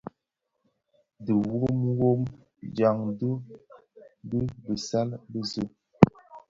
Dhi wom wom dyaňdi i bisal bize.